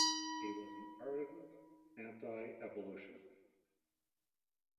He was an ardent anti-evolutionist.